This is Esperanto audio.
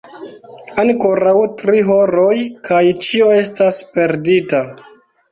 Ankoraŭ tri horoj kaj ĉio estas perdita!